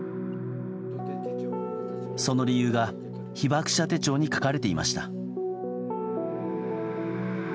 その理由が、被爆者手帳に書かれていました。